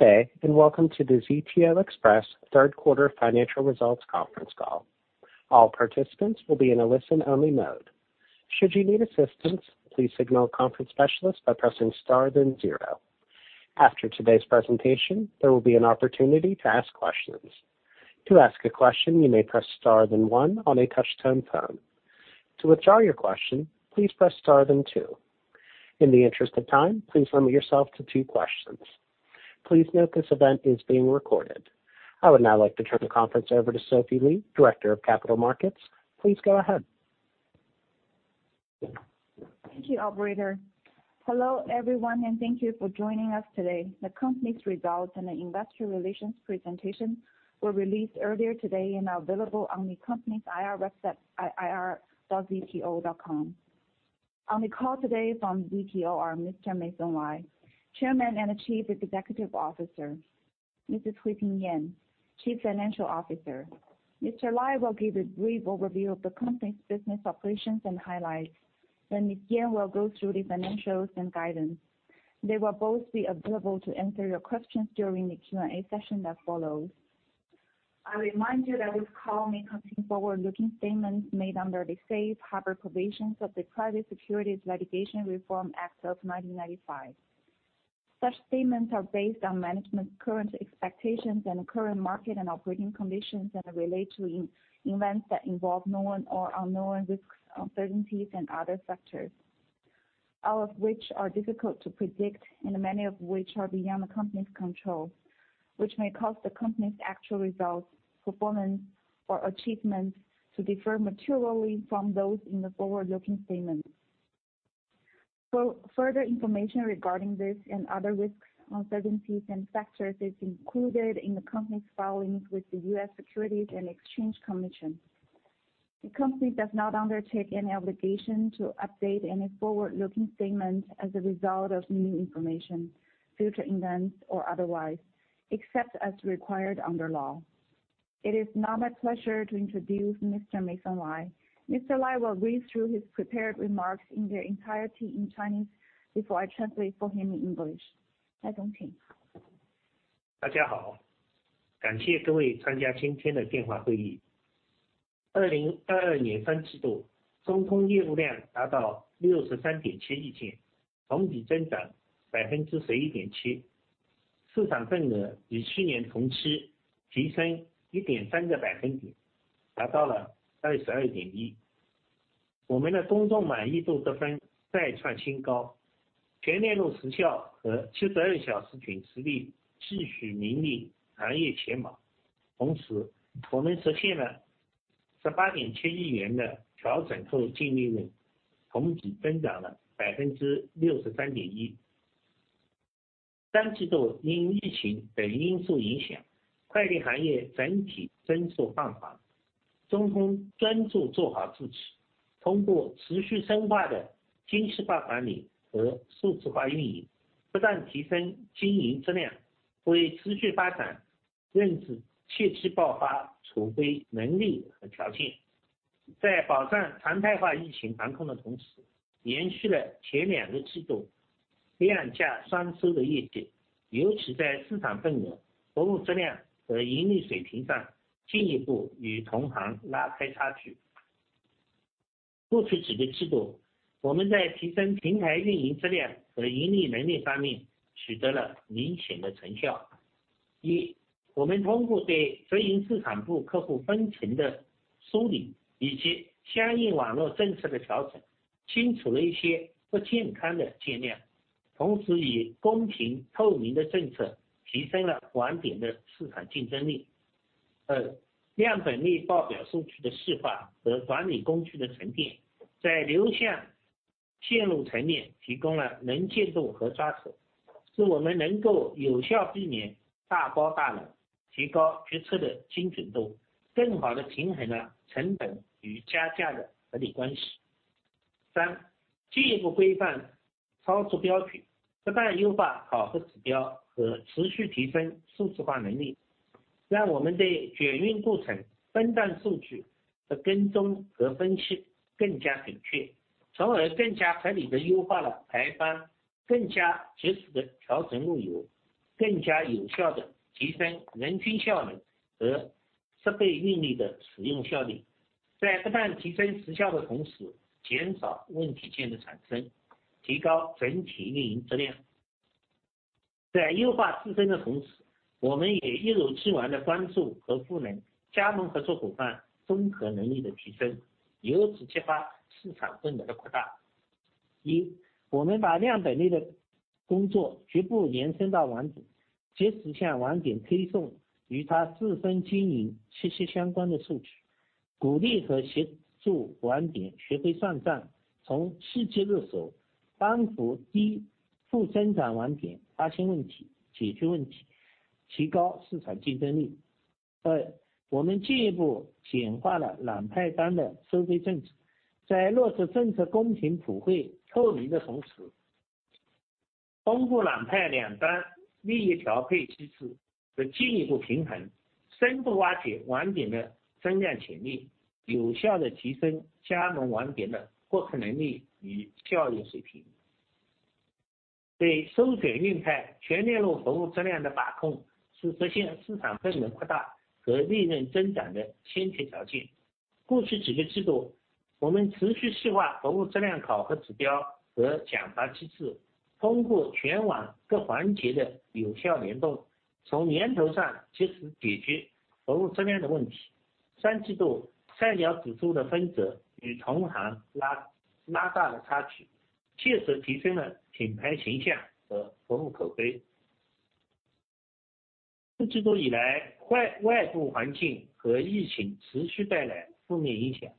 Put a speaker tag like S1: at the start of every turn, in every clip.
S1: Good day, welcome to the ZTO Express Third Quarter Financial Results Conference Call. All participants will be in a listen only mode. Should you need assistance, please signal conference specialist by pressing star then zero. After today's presentation, there will be an opportunity to ask questions. To ask a question you may press star then one on a touchtone phone. To withdraw your question, please press star then two. In the interest of time, please limit yourself to two questions. Please note this event is being recorded. I would now like to turn the conference over to Sophie Li, Director of Capital Markets. Please go ahead.
S2: Thank you, operator. Hello, everyone. Thank you for joining us today. The company's results and the investor relations presentation were released earlier today and are available on the company's IR website ir.zto.com. On the call today from ZTO Express are Mr. Meisong Lai, Chairman and Chief Executive Officer, Mrs. Huiping Yan, Chief Financial Officer. Mr. Lai will give a brief overview of the company's business operations and highlights. Ms. Yan will go through the financials and guidance. They will both be available to answer your questions during the Q&A session that follows. I remind you that this call may contain forward-looking statements made under the safe harbor provisions of the Private Securities Litigation Reform Act of 1995. Such statements are based on management's current expectations and current market and operating conditions that are related to e-events that involve known or unknown risks, uncertainties and other factors, all of which are difficult to predict and many of which are beyond the company's control, which may cause the company's actual results, performance or achievements to differ materially from those in the forward-looking statements. For further information regarding this and other risks, uncertainties and factors is included in the company's filings with the US Securities and Exchange Commission. The company does not undertake any obligation to update any forward-looking statements as a result of new information, future events or otherwise, except as required under law. It is now my pleasure to introduce Mr. Meisong Lai. Mr. Lai will read through his prepared remarks in their entirety in Chinese before I translate for him in English. Mason, please.
S3: 大家 好， 感谢各位参加今天的电话会议。二零二二年三季 度， 中通业务量达到六十三点七亿 件， 同比增长百分之十一点 七， 市场份额比去年同期提升一点三个百分 点， 达到了二十二点一。我们的公众满意度得分再创新 高， 全链路时效和七十二小时准时率继续名列行业前茅。同时我们实现了十八点七亿元的调整后净利 润， 同比增长了百分之六十三点一。三季度因疫情等因素影 响， 快递行业整体增速放缓。中通专注做好自 己， 通过持续深化的精细化管理和数字化运 营， 不断提升经营质 量， 为持续发展认识切期爆发储备能力和条件。在保障常态化疫情防控的同 时， 延续了前两个季度量价双收的业 绩， 尤其在市场份额、服务质量和盈利水平上进一步与同行拉开差距。过去几个季 度， 我们在提升平台运营质量和盈利能力方面取得了明显的成效。一、我们通过对直营市场部客户分层的梳理以及相应网络政策的调 整， 清除了一些不健康的流 量， 同时以公平透明的政策提升了网点的市场竞争力。二、量本利报表数据的视觉和管理工具的沉 淀， 在流向线路层面提供了能见度和抓 手， 使我们能够有效避免大包大 揽， 提高决策的精准 度， 更好地平衡了成本与加价的合理关系。三、进一步规范操作标 准， 不断优化考核指标和持续提升数字化能力，让我们对全运过程分段数据的跟踪和分析更加准 确， 从而更加合理地优化了排 班， 更加及时地调整运 油， 更加有效地提升人均效能和设备运力的使用效率。在不断提升时效的同 时， 减少问题线的产 生， 提高整体运营质量。在优化自身的同时，我们也一如既往地关注和赋能加盟合作伙伴分核能力的提 升， 由此激发市场份额的扩大。一、我们把量本利的工作逐步延伸到网 点， 及时向网点推送与他自身经营切切相关的数 据， 鼓励和协助网点学会算 账， 从细节入 手， 帮助低负增长网点发现问 题， 解决问 题， 提高市场竞争力。二、我们进一步简化了揽派单的收费政 策， 在落实政策公平、普惠、透明的同 时， 通过揽派两端利益调配机制和进一步平衡。深度挖掘网点的增量潜 力， 有效的提升加盟网点的获客能力与效率水平。对收转运派全链路服务质量的把控是实现市场份额扩大和利润增长的先决条件。过去几个季 度， 我们持续细化服务质量考核指标和奖罚机 制， 通过全网各环节的有效联 动， 从源头上切实解决服务质量的问题。三季 度， 菜鸟指数的分子与同行 拉， 拉大了差 距， 切实提升了品牌形象和服务口碑。四季度以 来， 外， 外部环境和疫情持续带来负面影 响，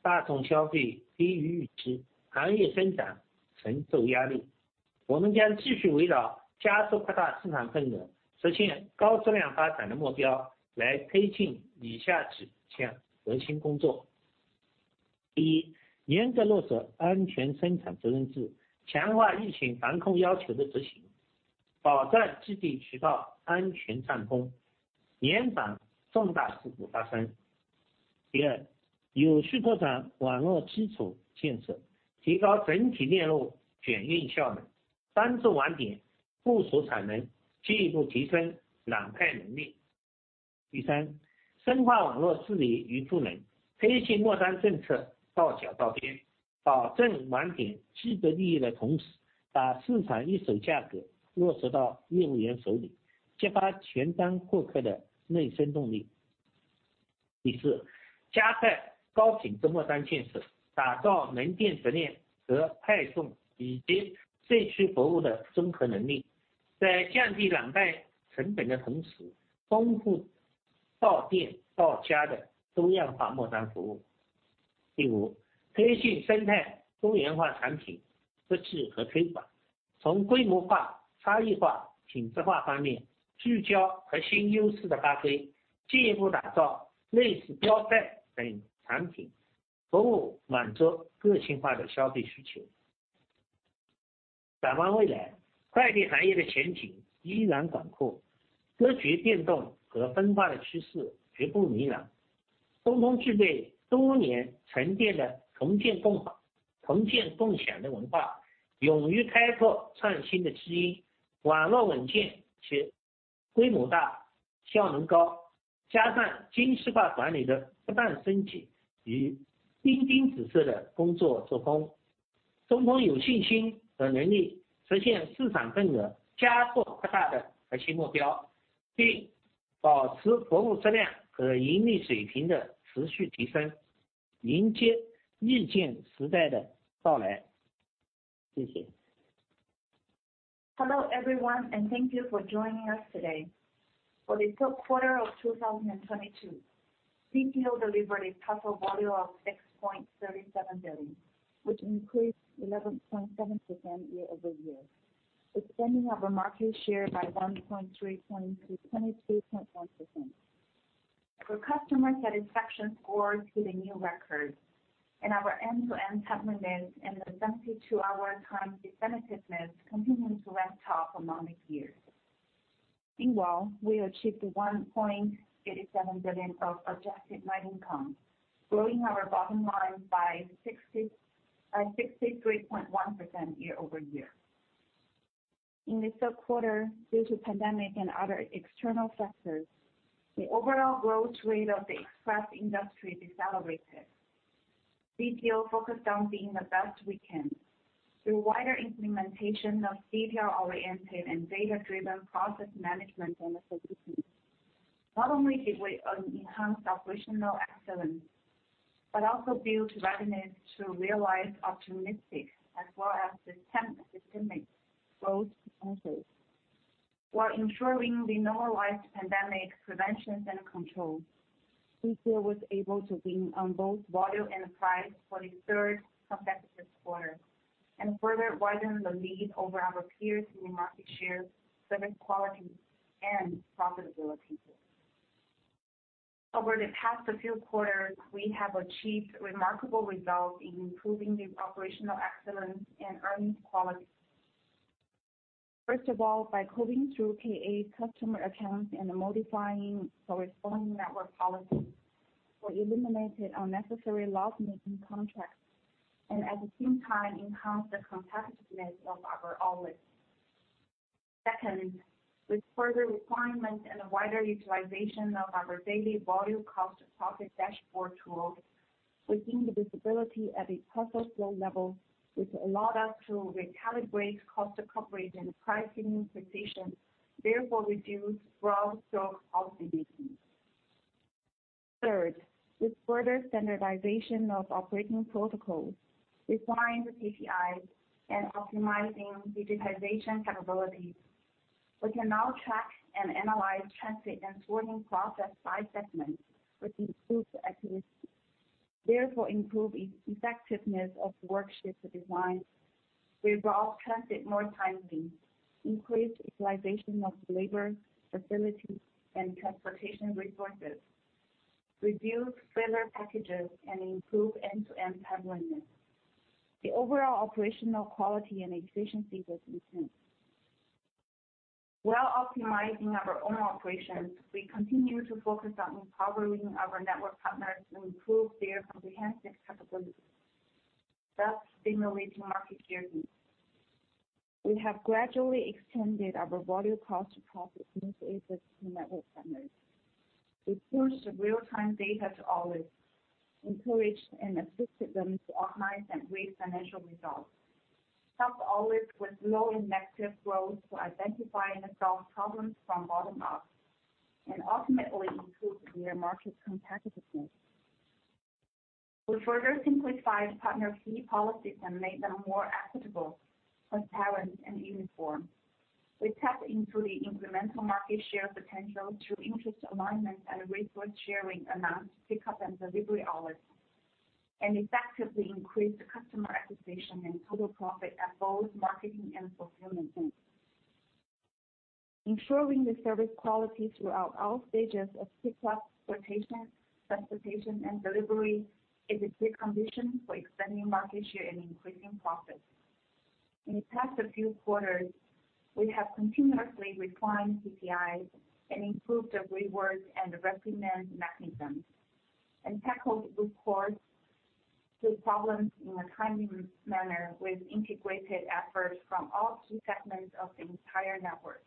S3: 大众消费低于预 期， 行业增长承受压力。我们将继续围绕加速扩大市场份 额， 实现高质量发展的目标来推进以下指向核心工作。第 一， 严格落实安全生产责任 制， 强化疫情防控要求的执行，保障基地渠道安全畅 通， 严防重大事故发生。第 二， 有序拓展网络基础建 设， 提高整体链路转运效 能， 帮助网点附属产 能， 进一步提升揽派能力。第 三， 深化网络势力与赋 能， 推进末端政策到小到 天， 保证网点积极利益的同 时， 把市场一手价格落实到业务员手 里， 激发全单货客的内生动力。第 四， 加快高品终末端建 设， 打造门店存链和派送以及社区服务的综合能力。在降低揽派成本的同 时， 丰富到店到家的多样化末端服务。第 五， 推进生态多元化产品设计和推广。从规模化、差异化、品质化方面聚焦核心优势的发 挥， 进一步打造类似标配等产 品， 服务满足个性化的消费需求。展望未 来， 快递行业的前景依然广 阔， 格局变动和分化的趋势绝不迷茫。中通具备多年沉淀的重建共 好， 重建共享的文 化， 勇于开拓创新的基 因， 网络稳健且规模 大， 效能 高， 加上精细化管理的不断升级与兵兵子色的工作作风。中通有信心和能力实现市场份额加速扩大的核心目 标， 并保持服务质量和盈利水平的持续提 升， 迎接日进时代的到来。谢谢。
S2: Hello everyone, thank you for joining us today. For the third quarter of 2022, ZTO delivered a total volume of 6.37 billion, which increased 11.7% year-over-year, extending our market share by 1.3 percentage points to 22.1%. For customers satisfaction scores with a new record and our end-to-end competitiveness and 72-hour time definitiveness continuing to rank top among the years. Meanwhile, we achieved 1.87 billion of adjusted net income, growing our bottom line by 63.1% year-over-year. In the third quarter, due to pandemic and other external factors, the overall growth rate of the express industry decelerated. ZTO focused on being the best we can through wider implementation of detail-oriented and data-driven process management and solutions. Not only did we enhance operational excellence, but also build readiness to realize optimistic as well as the systemic growth answers. While ensuring the normalized pandemic preventions and control, ZTO was able to lean on both volume and price for the third competitive quarter, and further widen the lead over our peers in the market share, service quality and profitability. Over the past few quarters, we have achieved remarkable results in improving the operational excellence and earnings quality. First of all, by combing through KA customer accounts and modifying corresponding network policy, we eliminated unnecessary loss-making contracts, and at the same time enhanced the competitiveness of our outlets. Second, with further refinement and a wider utilization of our daily volume cost profit dashboard tools within the visibility at the parcel flow level, which allowed us to recalibrate cost recovery and pricing positions, therefore reduce gross flow of the business. With further standardization of operating protocols, refined KPIs, and optimizing digitization capabilities, we can now track and analyze transit and sorting process by segments with improved accuracy, therefore, improve e-effectiveness of work shift design. We resolve transit more timely, increase utilization of labor, facilities, and transportation resources. Reduce failure packages and improve end-to-end timeliness. The overall operational quality and efficiency was enhanced. While optimizing our own operations, we continue to focus on empowering our network partners to improve their comprehensive capabilities thus stimulating market share needs. We have gradually extended our value cost to profit in aid to network partners. We pushed the real-time data to always encourage and assist them to optimize and raise financial results, help always with low and negative growth to identify and resolve problems from bottom up, and ultimately improve their market competitiveness. We further simplified partner fee policies and made them more equitable, transparent, and uniform. We tapped into the incremental market share potential through interest alignment and resource sharing amongst pickup and delivery hours, and effectively increased customer acquisition and total profit at both marketing and fulfillment centers. Ensuring the service quality throughout all stages of pickup, transportation, and delivery is a key condition for expanding market share and increasing profits.In the previous quarters, we have continuously refined CTIs and improved the rewards and the ranking mechanism, and tackled root causes of problems in a timely manner with integrated efforts from all segments of the entire network.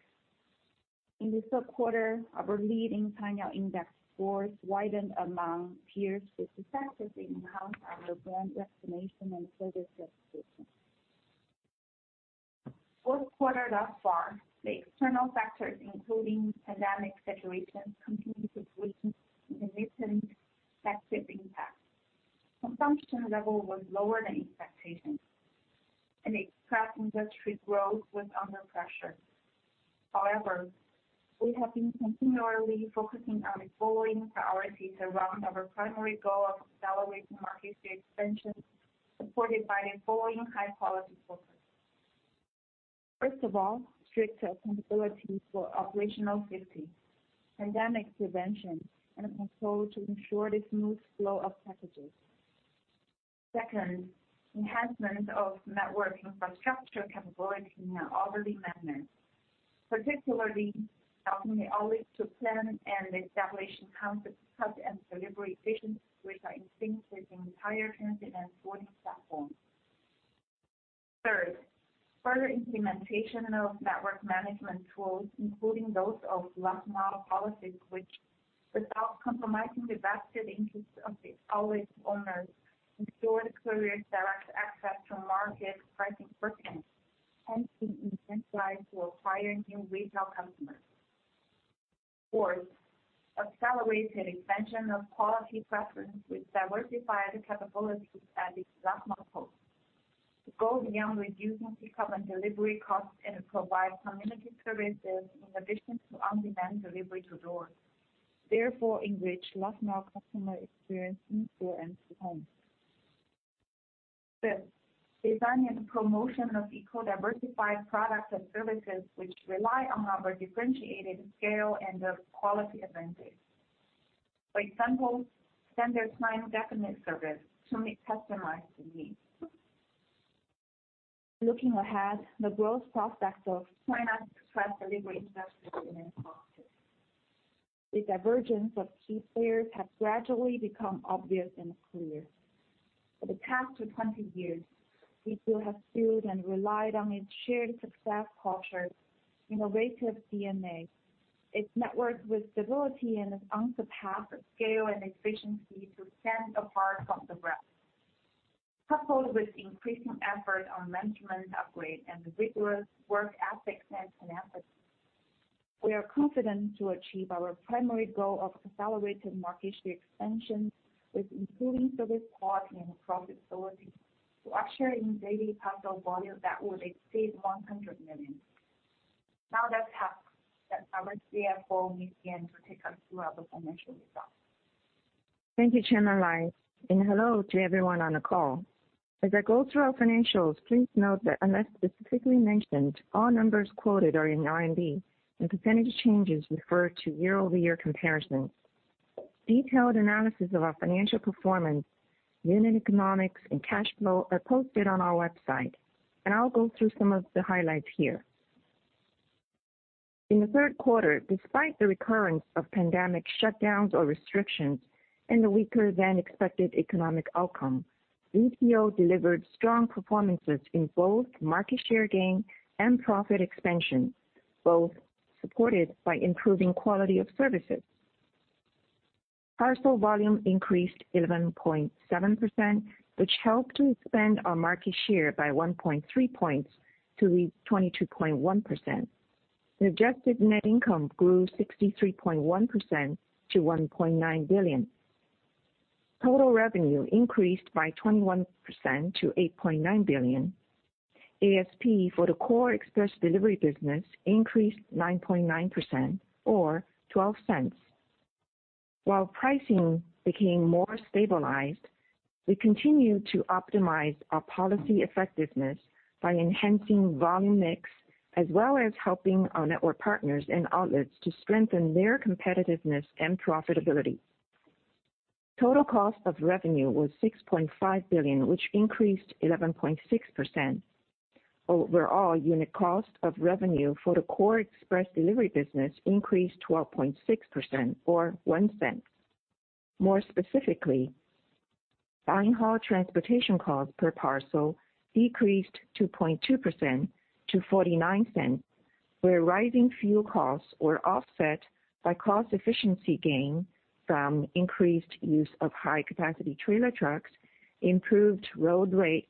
S2: In the third quarter, our leading Cainiao Index scores widened among peers, which effectively enhanced our brand recognition and service reputation. Fourth quarter thus far, the external factors, including pandemic situation, continued to present significant negative impact. Consumption level was lower than expectation, and express industry growth was under pressure. However, we have been continually focusing on the following priorities around our primary goal of accelerating market share expansion, supported by the following high-quality focus. First of all, strict accountability for operational safety, pandemic prevention, and control to ensure the smooth flow of packages. Second, enhancement of network infrastructure capability in an orderly manner, particularly helping the owners to plan and establish pickup and delivery stations which are instinctive to the entire transit and sorting platform. Third, further implementation of network management tools, including those of last mile policies, which without compromising the vested interest of the outlet owners, ensure the courier's direct access to market pricing mechanisms and to incentivize to acquire new retail customers. Fourth, accelerated expansion of quality preference with diversified capabilities at the last mile post. To go beyond reducing pickup and delivery costs and provide community services in addition to on-demand delivery to doors. Enrich last mile customer experience in store and to home. Fifth, designing and promotion of eco-diversified products and services which rely on our differentiated scale and the quality advantage. For example, standard time-definite service to meet customized needs. Looking ahead, the growth prospects of China's express delivery industry remains positive. The divergence of key players has gradually become obvious and clear. For the past 20 years, we still have built and relied on its shared success culture, innovative DNA, its network with stability, and its unsurpassed scale and efficiency to stand apart from the rest. Coupled with increasing effort on management upgrade and rigorous work ethics and tenacity, we are confident to achieve our primary goal of accelerated market share expansion with improving service quality and profitability to our share in daily parcel volume that will exceed 100 million. Let's have our CFO, Ms. Yan, to take us through our financial results.
S4: Thank you, Chairman Lai. Hello to everyone on the call. As I go through our financials, please note that unless specifically mentioned, all numbers quoted are in RMB, percentage changes refer to year-over-year comparisons. Detailed analysis of our financial performance, unit economics, and cash flow are posted on our website. I'll go through some of the highlights here. In the first quarter, despite the recurrence of pandemic shutdowns or restrictions and a weaker-than-expected economic outcome, ZTO delivered strong performances in both market share gain and profit expansion, both supported by improving quality of services. Parcel volume increased 11.7%, which helped to expand our market share by 1.3 points to reach 22.1%. The adjusted net income grew 63.1% to CNY 1.9 billion. Total revenue increased by 21% to 8.9 billion. ASP for the core express delivery business increased 9.9% or 0.12. While pricing became more stabilized, we continue to optimize our policy effectiveness by enhancing volume mix, as well as helping our network partners and outlets to strengthen their competitiveness and profitability. Total cost of revenue was 6.5 billion, which increased 11.6%. Overall, unit cost of revenue for the core express delivery business increased 12.6% or 0.01. More specifically, line haul transportation cost per parcel decreased 2.2% to 0.49, where rising fuel costs were offset by cost efficiency gain from increased use of high capacity trailer trucks, improved load rate,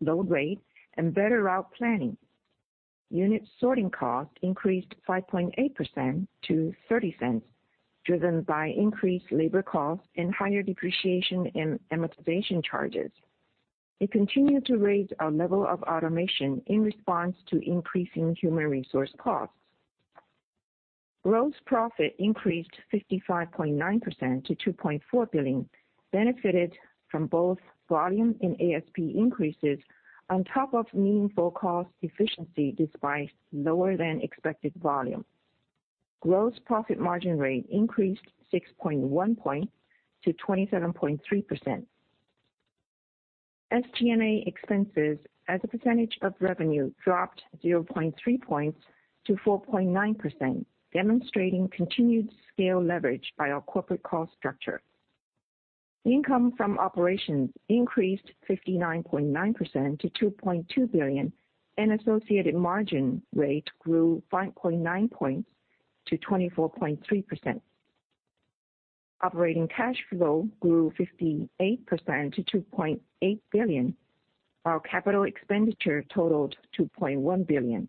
S4: and better route planning. Unit sorting cost increased 5.8% to 0.30, driven by increased labor costs and higher depreciation and amortization charges. We continue to raise our level of automation in response to increasing human resource costs. Gross profit increased 55.9% to 2.4 billion, benefited from both volume and ASP increases on top of meaningful cost efficiency, despite lower than expected volume. Gross profit margin rate increased 6.1 points to 27.3%. SG&A expenses as a percentage of revenue dropped 0.3 points to 4.9%, demonstrating continued scale leverage by our corporate cost structure. Income from operations increased 59.9% to 2.2 billion, and associated margin rate grew 5.9 points to 24.3%. Operating cash flow grew 58% to 2.8 billion, while capital expenditure totaled 2.1 billion.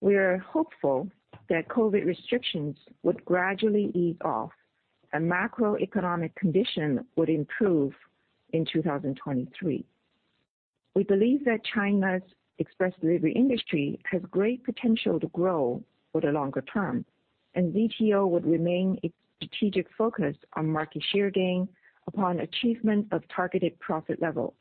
S4: We are hopeful that COVID restrictions would gradually ease off and macroeconomic condition would improve in 2023. We believe that China's express delivery industry has great potential to grow for the longer term, and ZTO would remain a strategic focus on market share gain upon achievement of targeted profit levels.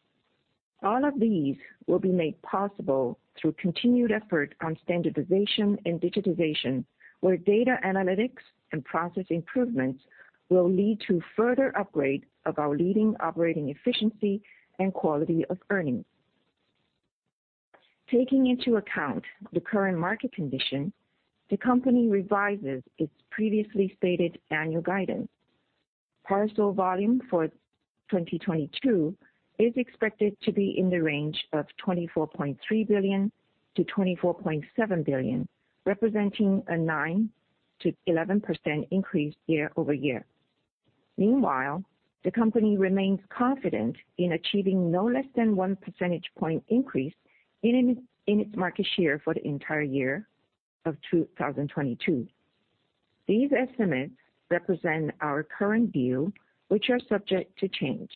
S4: All of these will be made possible through continued effort on standardization and digitization, where data analytics and process improvements will lead to further upgrade of our leading operating efficiency and quality of earnings. Taking into account the current market condition, the company revises its previously stated annual guidance. Parcel volume for 2022 is expected to be in the range of 24.3 billion to 24.7 billion, representing a 9%-11% increase year-over-year. Meanwhile, the company remains confident in achieving no less than 1 percentage point increase in its market share for the entire year of 2022. These estimates represent our current view, which are subject to change.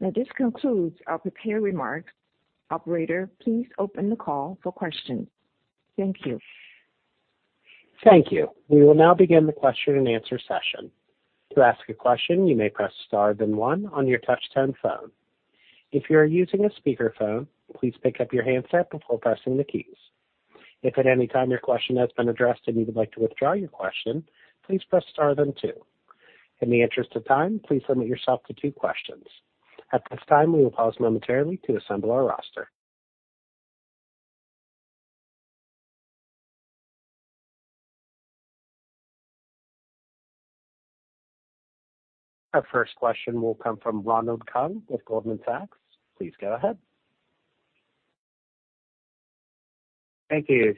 S4: This concludes our prepared remarks. Operator, please open the call for questions. Thank you.
S1: Thank you. We will now begin the question and answer session. To ask a question, you may press star then one on your touch tone phone. If you are using a speaker phone, please pick up your handset before pressing the keys. If at any time your question has been addressed and you would like to withdraw your question, please press star then two. In the interest of time, please limit yourself to two questions. At this time, we will pause momentarily to assemble our roster. Our first question will come from Ronald Keung with Goldman Sachs. Please go ahead.
S5: Thank you.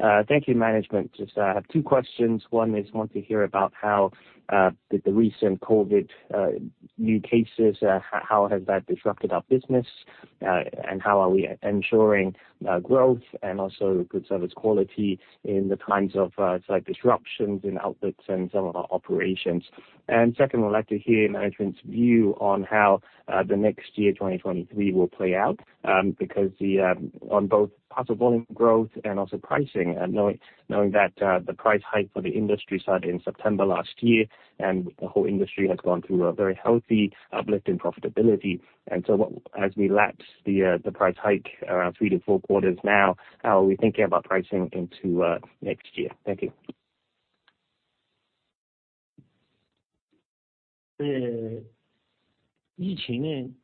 S5: Thank you management. Just I have two questions. One is want to hear about how the recent COVID new cases, how has that disrupted our business, and how are we ensuring growth and also good service quality in the times of site disruptions and outputs and some of our operations? Second, we'd like to hear management's view on how the next year, 2023, will play out because on both parcel volume growth and also pricing and knowing that the price hike for the industry started in September last year, and the whole industry has gone through a very healthy uplift in profitability. So as we lapse the price hike around three to four quarters now, how are we thinking about pricing into next year? Thank you.
S3: 对疫情 呢，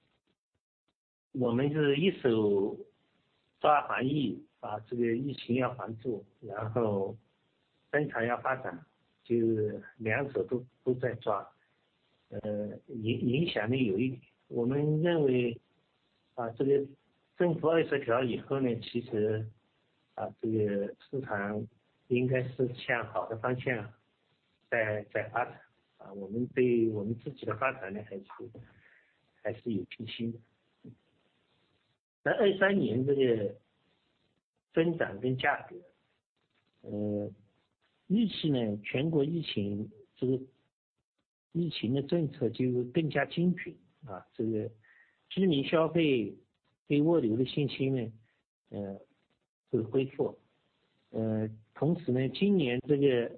S3: 我们就是一手抓防 疫， 把这个疫情要防 住， 然后生产要发 展， 就是两手都在抓。影响呢有一点。我们认 为， 这个政府二十条以后 呢， 其 实， 这个市场应该是向好的方向在发展。我们对我们自己的发展 呢， 还是有信心的。在2023年这个增长跟价格。预期 呢， 全国疫情这个疫情的政策就会更加精准。这个居民消费被窝留的信心 呢， 会恢复。同时 呢， 今年这个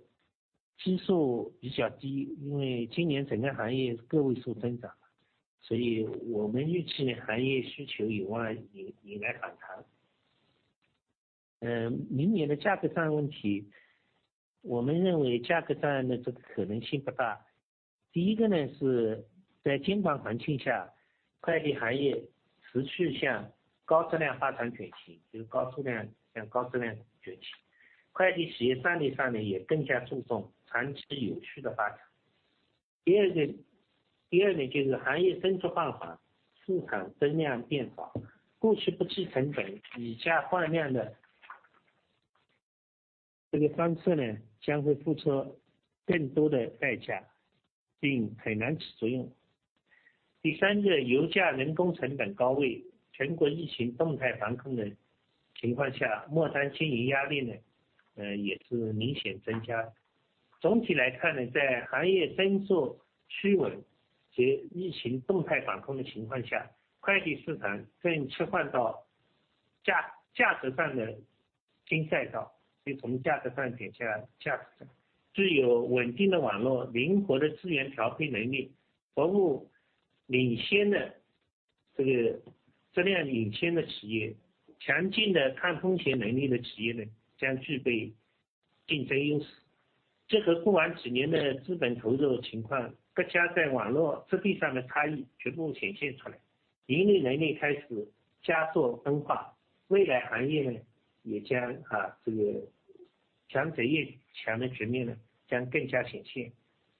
S3: 基数比较 低， 因为今年整个行业个位数增 长， 所以我们预期呢行业需求有望迎来反弹。明年的价格战问 题， 我们认为价格战呢这个可能性不大。第一个 呢， 是在监管环境 下， 快递行业持续向高质量发展转 型， 就是高数量向高质量转型。快递企业战略上呢也更加注重长期有序的发展。第二个就是行业增速放 缓， 市场增量变缓。过去不计成 本， 以价换量的这个方式 呢， 将会付出更多的代 价， 并很难持续用。第三个油价人工成本高位。全国疫情动态防控的情况 下， 末端经营压力 呢， 也是明显增加。总体来看 呢， 在行业增速趋稳及疫情动态防控的情况 下， 快递市场正切换到价格战的新赛道。所以从价格战点下价格战。具有稳定的网 络， 灵活的资源调配能 力， 服务领先的这个质量领先的企 业， 强劲的抗风险能力的企业 呢， 将具备竞争优势。这和过往几年的资本投入情 况， 各家在网络质壁上的差异全部显现出 来， 盈利能力开始加速分化。未来行业 呢， 也将这个强者越强的局面 呢， 将更加显现。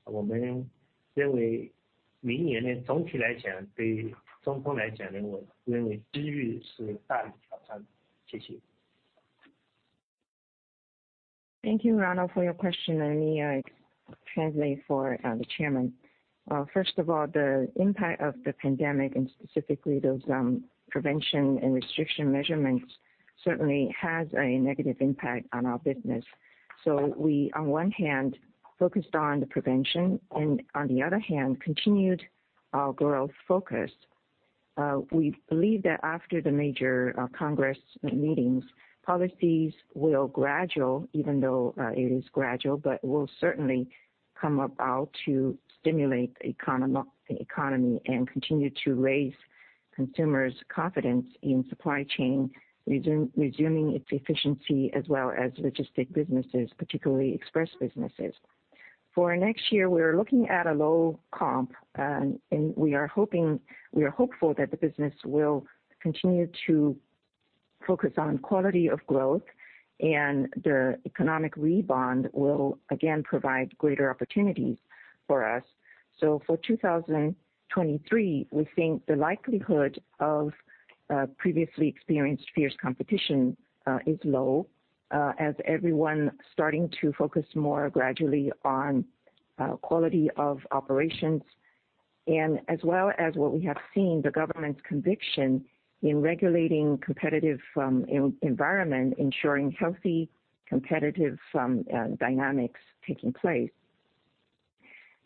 S3: 我们认为明年 呢， 总体来 讲， 对中通来 讲， 我们认为机遇是大于挑战。谢谢。
S4: Thank you Ronald for your question. Let me translate for the Chairman. First of all, the impact of the pandemic and specifically those prevention and restriction measurements certainly has a negative impact on our business. We, on one hand, focused on the prevention, and on the other hand, continued our growth focus. We believe that after the major congress meetings, policies will gradual, even though it is gradual, but will certainly come about to stimulate economy and continue to raise consumers confidence in supply chain, resuming its efficiency as well as logistics businesses, particularly express businesses. For next year, we are looking at a low comp, and we are hopeful that the business will continue to focus on quality of growth and the economic rebound will again provide greater opportunities for us. For 2023, we think the likelihood of previously experienced fierce competition is low, as everyone starting to focus more gradually on quality of operations and as well as what we have seen, the government's conviction in regulating competitive environment, ensuring healthy, competitive dynamics taking place.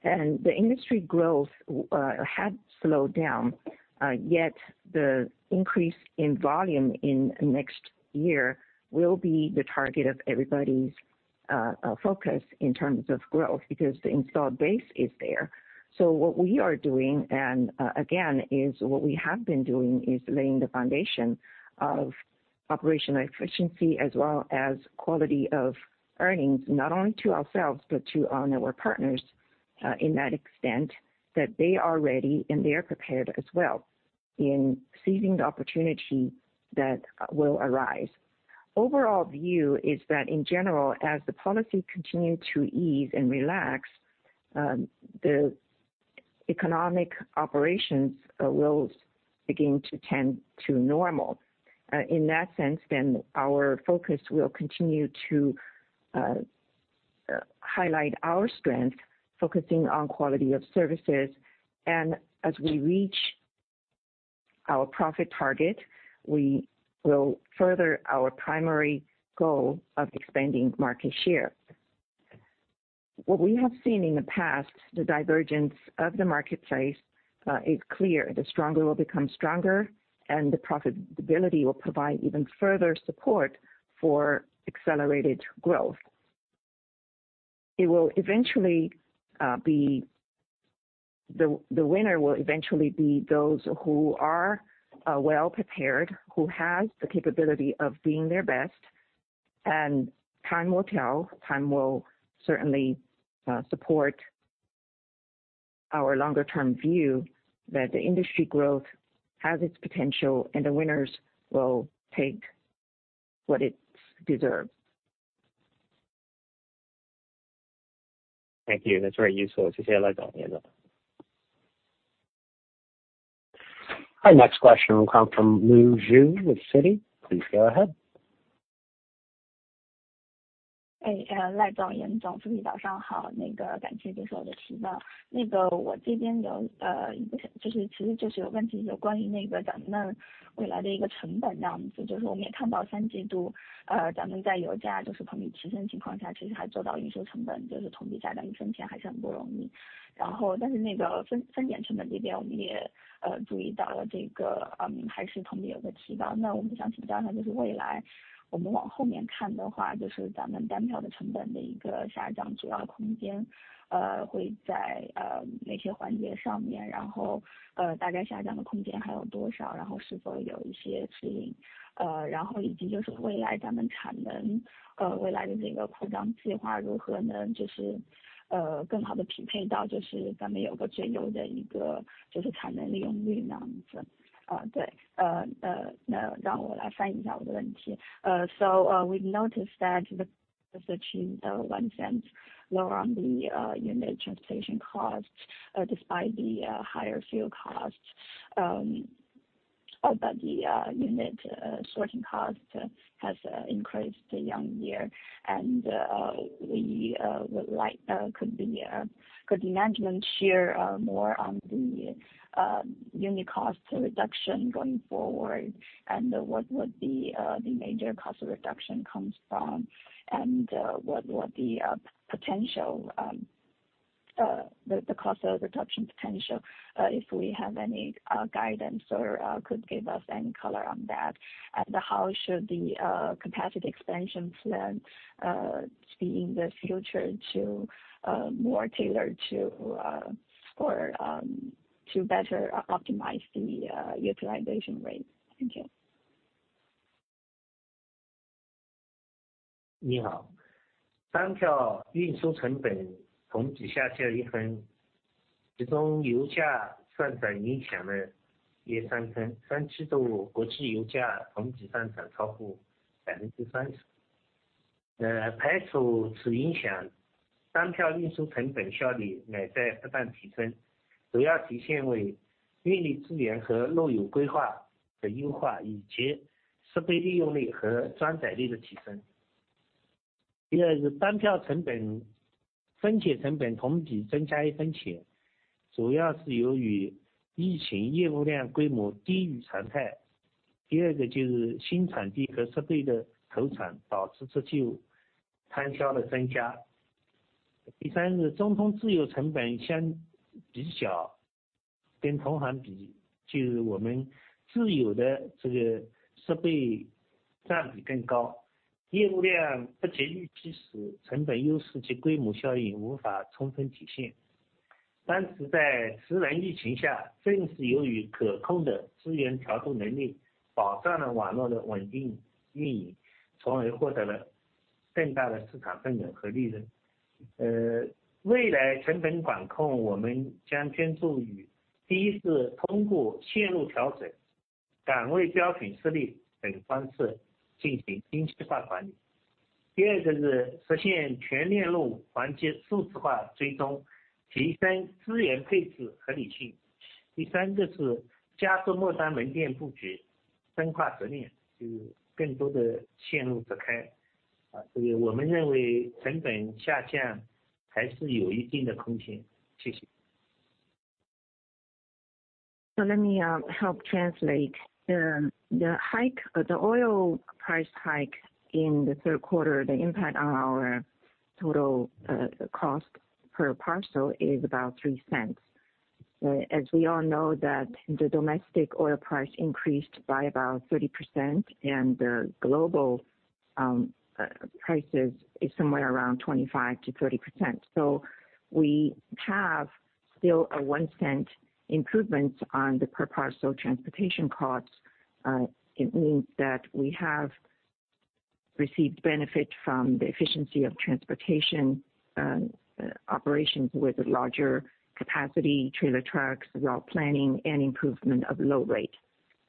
S4: The industry growth had slowed down. The increase in volume in next year will be the target of everybody's focus in terms of growth, because the installed base is there. What we are doing and again, is what we have been doing, is laying the foundation of operational efficiency as well as quality of earnings, not only to ourselves, but to our network partners in that extent that they are ready and they are prepared as well in seizing the opportunity that will arise. Overall view is that in general, as the policy continue to ease and relax, the economic operations will begin to tend to normal. In that sense, our focus will continue to highlight our strength, focusing on quality of services. As we reach our profit target, we will further our primary goal of expanding market share. What we have seen in the past, the divergence of the marketplace is clear. The stronger will become stronger and the profitability will provide even further support for accelerated growth. The winner will eventually be those who are well prepared, who has the capability of being their best. Time will tell. Time will certainly support our longer term view that the industry growth has its potential and the winners will take what it deserves.
S5: Thank you. That's very useful.
S1: Our next question will come from Lu Yuanyuan with Citi. Please go ahead. Hey, Meisong Lai. Hi, next question will come from Lu Yu with Citi. Please go ahead.
S4: Let me help translate. The oil price hike in the third quarter, the impact on our total cost per parcel is about 0.03. As we all know that the domestic oil price increased by about 30% and the global prices is somewhere around 25%-30%. We have still a 0.01 improvement on the per parcel transportation costs. It means that we have received benefit from the efficiency of transportation operations with larger capacity trailer trucks, route planning, and improvement of load rate.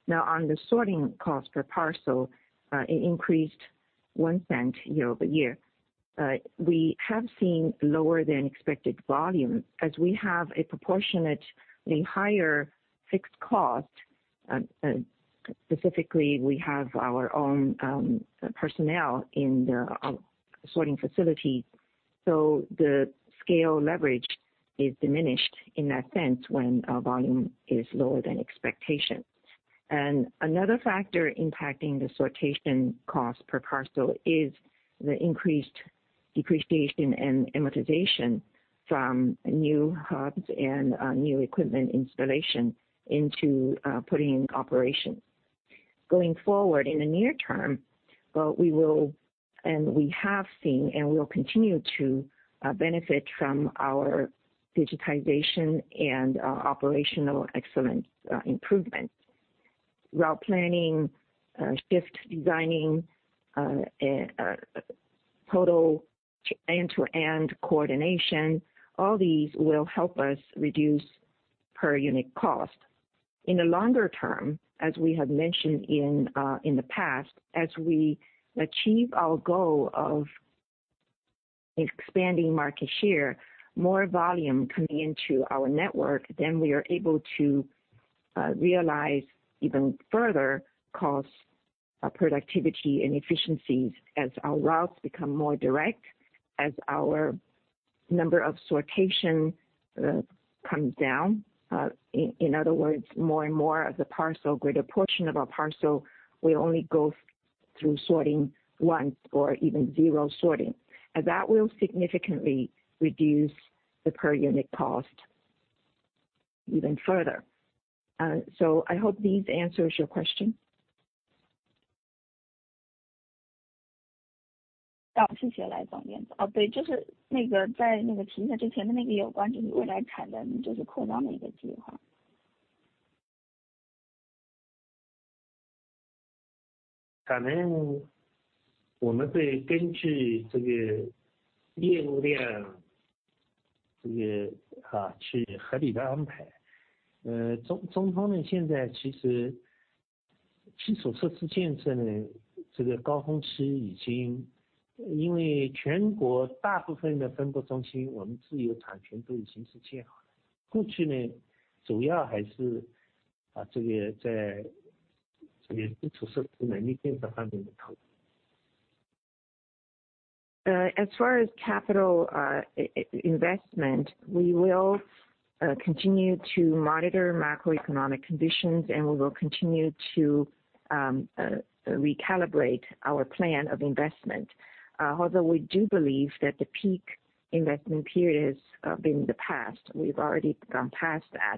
S4: Now, on the sorting cost per parcel, it increased 0.01 year-over-year. We have seen lower than expected volume as we have a proportionately higher fixed cost. Specifically, we have our own personnel in our sorting facility. The scale leverage is diminished in that sense when volume is lower than expectation. Another factor impacting the sortation cost per parcel is the increased depreciation and amortization from new hubs and new equipment installation into putting in operation. Going forward in the near term, well, we will continue to benefit from our digitization and operational excellence improvement. Route planning, shift designing, total end-to-end coordination. All these will help us reduce per unit cost. In the longer term, as we have mentioned in the past, as we achieve our goal of expanding market share, more volume coming into our network, then we are able to realize even further cost productivity and efficiencies as our routes become more direct, as our number of sortation comes down. In other words, more and more of the parcel, greater portion of our parcel will only go through sorting once or even zero sorting. That will significantly reduce the per unit cost even further. I hope these answers your question. As far as capital investment, we will continue to monitor macroeconomic conditions. We will continue to recalibrate our plan of investment. Although we do believe that the peak investment period is been in the past, we've already gone past that,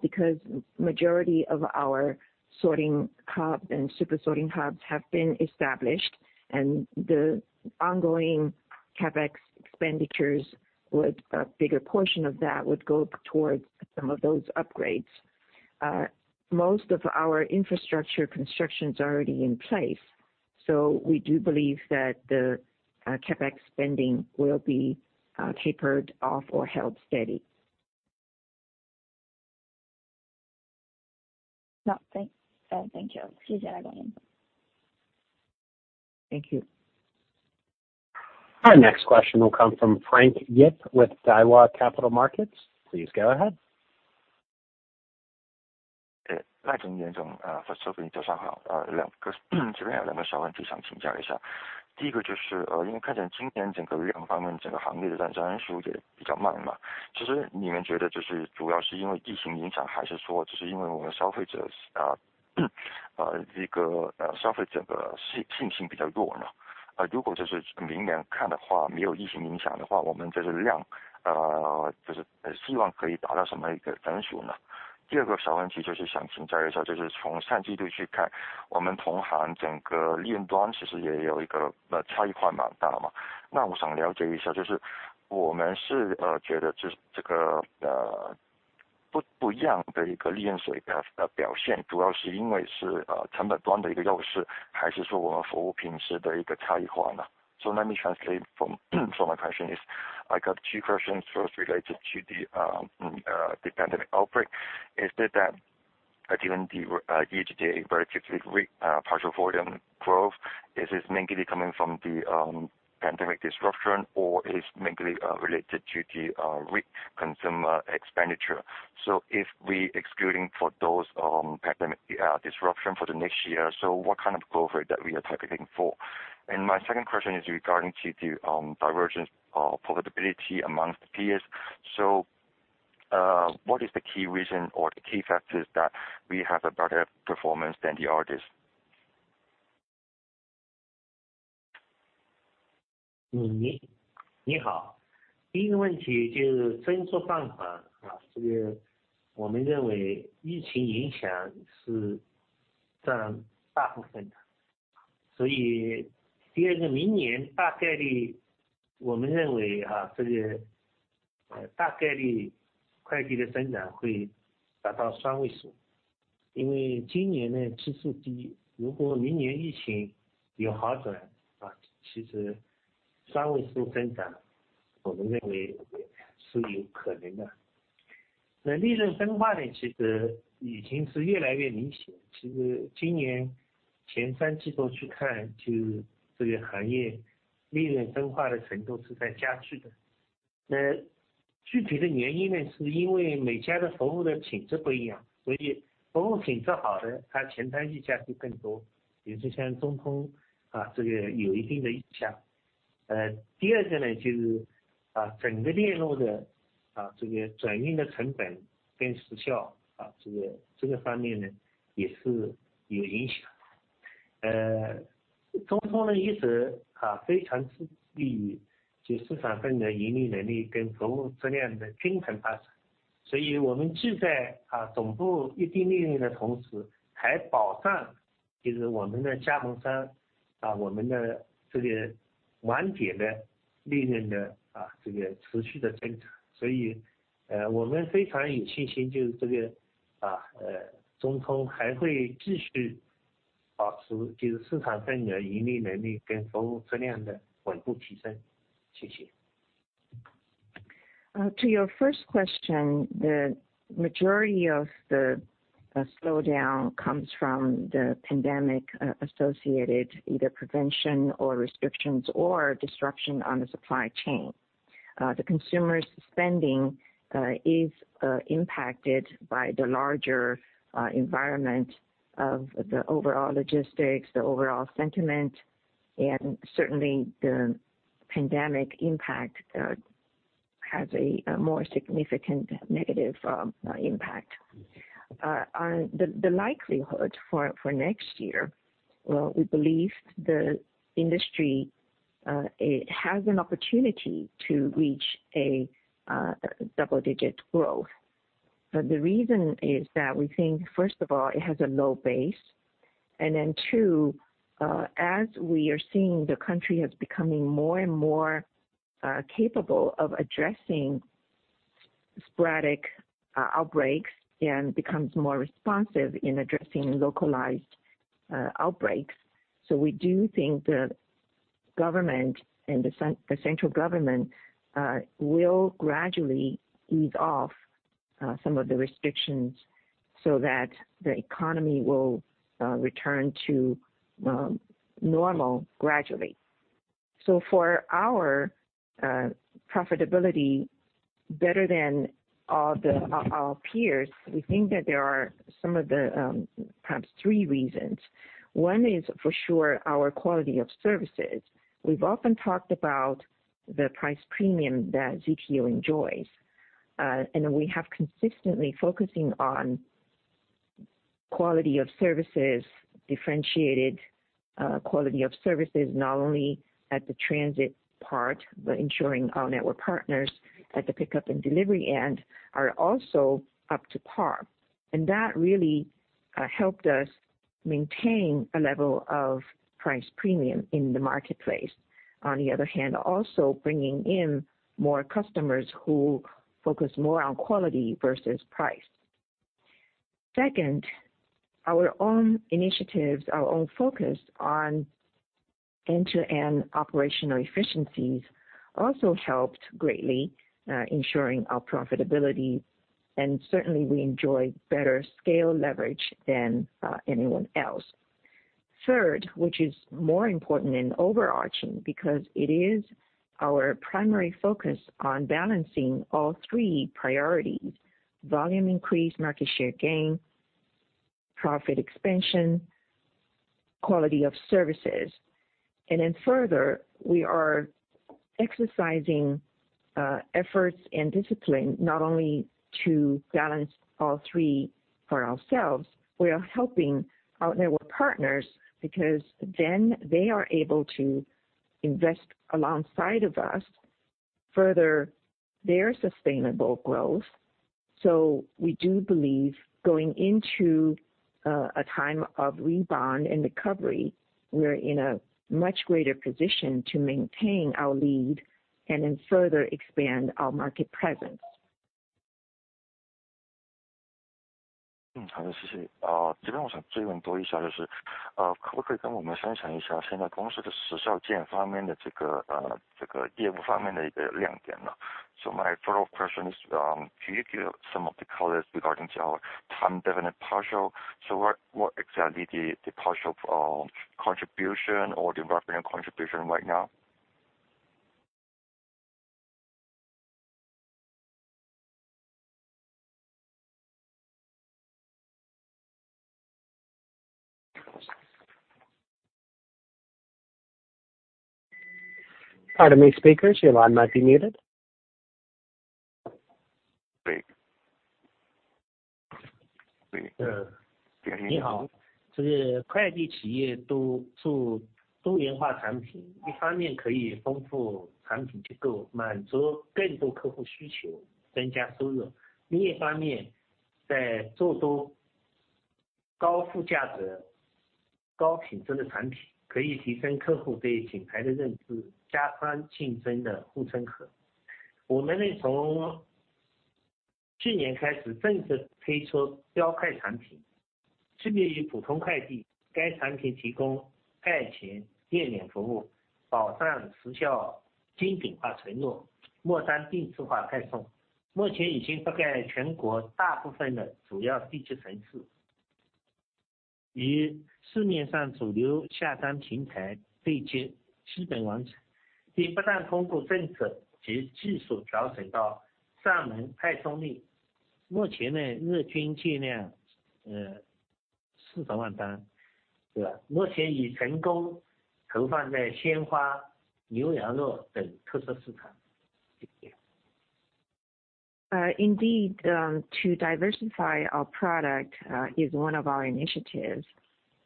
S4: because majority of our sorting hub and super sorting hubs have been established and the ongoing CapEx expenditures with a bigger portion of that would go towards some of those upgrades. Most of our infrastructure construction is already in place. We do believe that the CapEx spending will be tapered off or held steady. Thank you.
S1: Our next question will come from Frank Yip with Daiwa Capital Markets. Please go ahead.
S6: Let me translate for my question is. I got two questions. First, related to the pandemic outbreak. Is that during the QGD very quickly with partial volume growth, is this mainly coming from the pandemic disruption, or is mainly related to the with consumer expenditure? If we excluding for those pandemic disruption for the next year, what kind of growth that we are targeting for? My second question is regarding to the divergence of profitability amongst the peers. What is the key reason or the key factors that we have a better performance than the others?
S3: 你 好， first 个问题就是增速放 缓， 这个我们认为疫情影响是占大部分的。second 个， 明年大概率我们认 为， 这个大概率快递的增长会达到双位 数， 因为今年呢基数 低， 如果明年疫情有好 转， 其实双位数增长我们认为是有可能的。利润分化 呢， 其实已经是越来越明 显， 其实今年 first three quarters 去看，就是这个行业利润分化的程度是在加剧的。具体的原因 呢， 是因为每家的服务的品质不一 样， 所以服务品质好 的， 他前端溢价就更 多， 也是像 中通， 这个有一定的影响。Second 个 呢， 就是把整个链路 的， 这个转运的成本跟时 效， 这个方面 呢， 也是有影响。中通的优 势， 非常有利于其市场份额、盈利能力跟服务质量的均衡发展。我们既 在， 总部一定利润的同 时， 还保障-
S6: 其实我们的加盟 商， 啊我们的这个完结 的， 利润 的， 啊这个持续的增长。所以 呃， 我们非常有信 心， 就是这个 啊， 呃， 中通还会继续保 持， 就是市场份额、盈利能力跟服务质量的稳步提升。谢谢。
S4: To your first question, the majority of the slowdown comes from the pandemic associated either prevention or restrictions or disruption on the supply chain. The consumer spending is impacted by the larger environment of the overall logistics, the overall sentiment, and certainly the pandemic impact has a more significant negative impact. On the likelihood for next year, well, we believe the industry has an opportunity to reach a double-digit growth. The reason is that we think first of all, it has a low base. Then two, as we are seeing the country is becoming more and more capable of addressing sporadic outbreaks and becomes more responsive in addressing localized outbreaks. We do think the government and the central government will gradually ease off some of the restrictions so that the economy will return to normal gradually. For our profitability better than our peers, we think that there are some of the perhaps three reasons. One is for sure our quality of services. We've often talked about the price premium that ZTO enjoys, and we have consistently focusing on quality of services, differentiated quality of services, not only at the transit part, but ensuring our network partners at the pickup and delivery end are also up to par. That really helped us maintain a level of price premium in the marketplace. On the other hand, also bringing in more customers who focus more on quality versus price. Second, our own initiatives, our own focus on end-to-end operational efficiencies also helped greatly, ensuring our profitability, and certainly we enjoyed better scale leverage than anyone else. Third, which is more important and overarching because it is our primary focus on balancing all three priorities: volume increase, market share gain, profit expansion, quality of services. Further, we are exercising efforts and discipline not only to balance all three for ourselves, we are helping our network partners because then they are able to invest alongside of us, further their sustainable growth. We do believe going into a time of rebound and recovery, we are in a much greater position to maintain our lead and then further expand our market presence.
S6: 好 的， 谢谢。这边我想追问多一 下， 就 是， 可不可以跟我们分享一下现在公司的时效件方面的这 个， 这个业务方面的一个亮点 呢？ My follow-up question is, can you give some of the colors regarding to our time definite partial. What exactly the partial contribution or development contribution right now?
S1: Pardon me, speakers, your line might be muted.
S6: 对. 对.
S3: 呃， 你 好， 这个快递企业都做多元化产 品， 一方面可以丰富产品结 构， 满足更多客户需 求， 增加收入。另一方 面， 在做多高附加值、高品质的产 品， 可以提升客户对品牌的认 知， 加深竞争的护城河。我们呢从去年开始正式推出标快产 品， 相比于普通快 递， 该产品提供盖全业点服务、保障时效、精品化承诺、末端定制化派送。目前已经覆盖全国大部分的主要地级城 市， 与市面上主流下单平台对接基本完成。并不断通过政策及技术调整到上门派送力。目前呢日均接 量， 呃， 四十万单。对吧。目前已成功投放在鲜花、牛羊肉等特色市场。谢谢。
S4: Indeed, to diversify our product is one of our initiatives.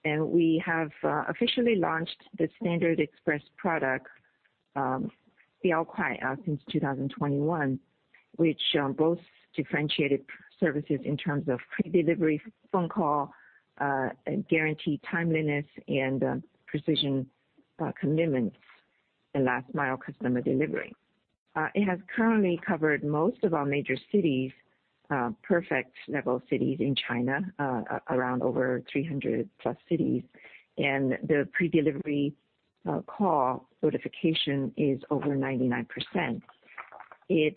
S4: We have officially launched the Standard Express product since 2021, which both differentiated services in terms of predelivery phone call, guaranteed timeliness and precision commitments in last mile customer delivery. It has currently covered most of our major cities, perfect level cities in China, around over 300+ cities. The predelivery call notification is over 99%. We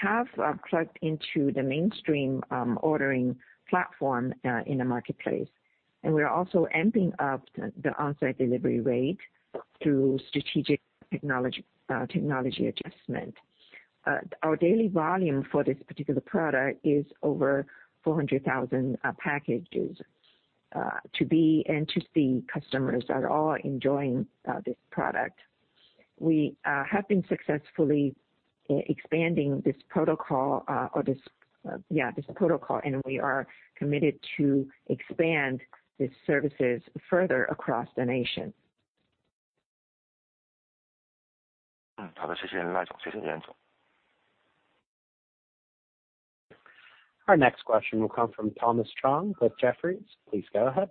S4: have plugged into the mainstream ordering platform in the marketplace. We are also amping up the on-site delivery rate through strategic technology adjustment. Our daily volume for this particular product is over 400,000 packages to be, to see customers are all enjoying this product. We have been successfully expanding this protocol, or this, yeah, this protocol. We are committed to expand these services further across the nation.
S1: Our next question will come from Thomas Chong with Jefferies. Please go ahead.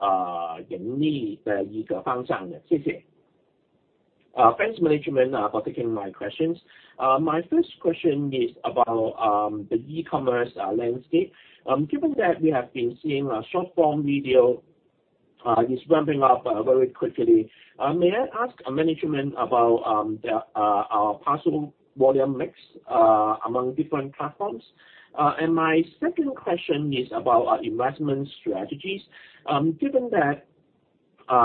S7: Thanks management for taking my questions. My first question is about the e-commerce landscape. Given that we have been seeing short form video is ramping up very quickly, may I ask management about the our parcel volume mix among different platforms? My second question is about our investment strategies. Given that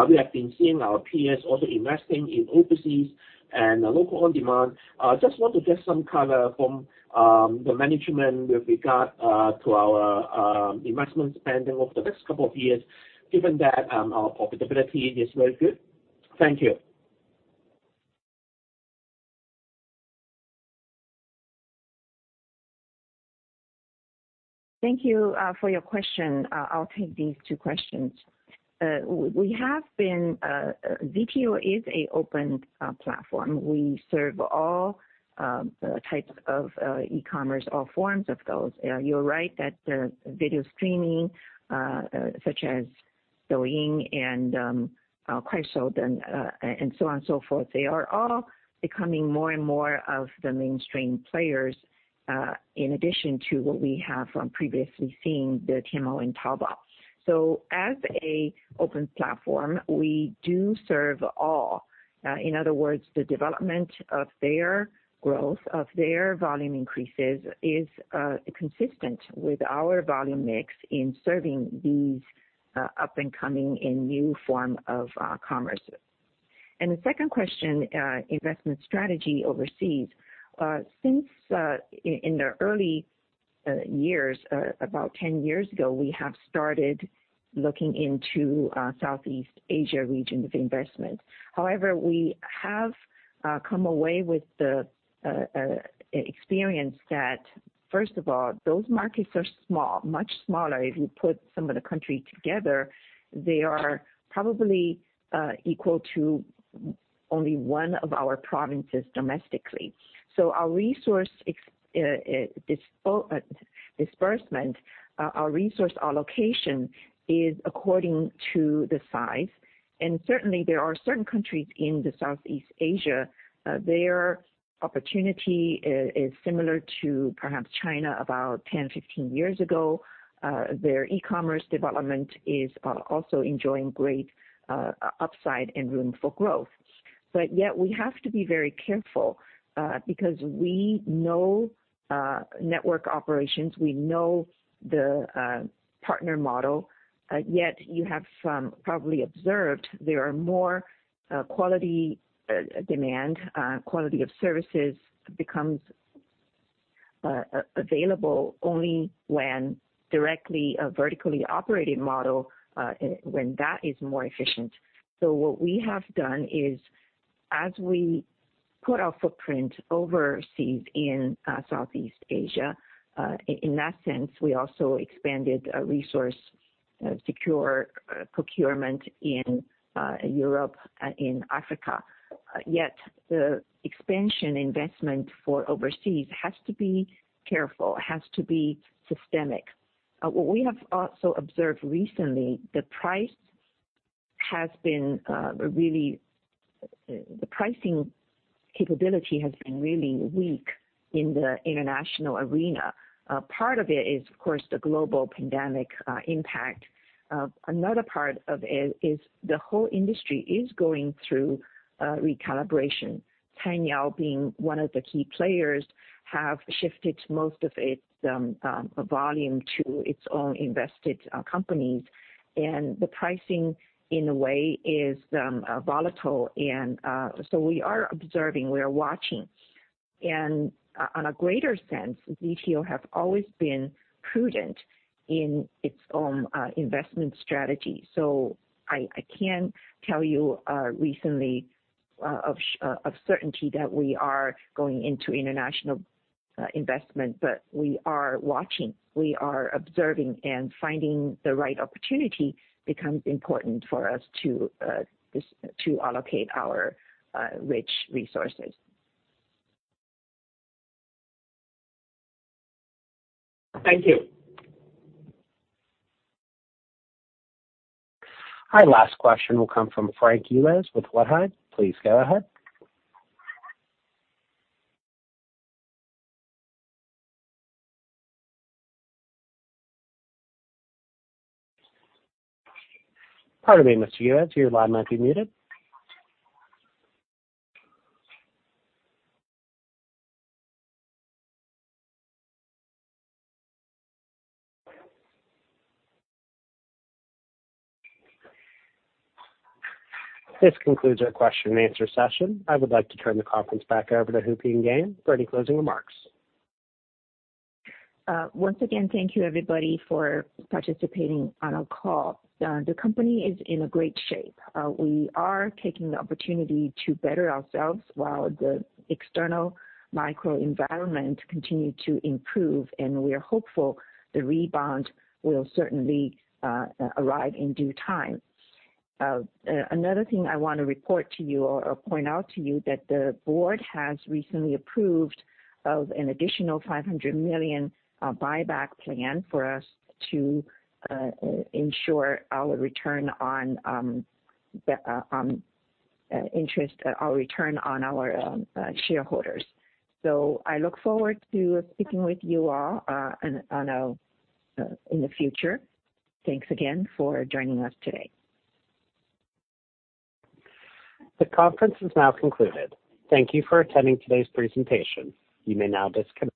S7: we have been seeing our peers also investing in overseas and local on-demand, just want to get some color from the management with regard to our investment spending over the next couple of years, given that our profitability is very good. Thank you.
S4: Thank you for your question. I'll take these two questions. We have been ZTO is a open platform. We serve all types of e-commerce or forms of those. You're right that the video streaming such as Douyin and Kuaishou and so on and so forth, they are all becoming more and more of the mainstream players in addition to what we have previously seen, the Tmall and Taobao. As a open platform, we do serve all. In other words, the development of their growth, of their volume increases is consistent with our volume mix in serving these up and coming and new form of commerce. The second question, investment strategy overseas. Since in the early years, about 10 years ago, we have started looking into Southeast Asia region of investment. However, we have come away with the experience that, first of all, those markets are small, much smaller. If you put some of the country together, they are probably equal to only one of our provinces domestically. Our resource disbursement, our resource allocation is according to the size. Certainly, there are certain countries in the Southeast Asia, their opportunity is similar to perhaps China about 10, 15 years ago. Their e-commerce development is also enjoying great upside and room for growth. Yet we have to be very careful, because we know network operations, we know the partner model, yet you have probably observed there are more quality demand, quality of services becomes available only when directly a vertically operating model, when that is more efficient. What we have done is, as we put our footprint overseas in Southeast Asia, in that sense, we also expanded a resource, secure procurement in Europe and in Africa. The expansion investment for overseas has to be careful, has to be systemic. What we have also observed recently, the pricing capability has been really weak in the international arena. Part of it is, of course, the global pandemic impact. Another part of it is the whole industry is going through recalibration. Cainiao being one of the key players, have shifted most of its volume to its own invested companies. The pricing in a way is volatile and so we are observing, we are watching. On a greater sense, ZTO have always been prudent in its own investment strategy. I can't tell you recently of certainty that we are going into international investment, but we are watching, we are observing. Finding the right opportunity becomes important for us to allocate our rich resources.
S2: Thank you.
S1: Our last question will come from Frank Yip with CICC. Please go ahead. Pardon me, Mr. Yip, your line might be muted. This concludes our question-and-answer session. I would like to turn the conference back over to Huiping Yan for any closing remarks.
S4: Once again, thank you everybody for participating on our call. The company is in a great shape. We are taking the opportunity to better ourselves while the external microenvironment continue to improve. We are hopeful the rebound will certainly arrive in due time. Another thing I wanna report to you or point out to you that the board has recently approved of an additional 500 million buyback plan for us to ensure our return on our shareholders. I look forward to speaking with you all on in the future. Thanks again for joining us today.
S1: The conference is now concluded. Thank you for attending today's presentation. You may now disconnect.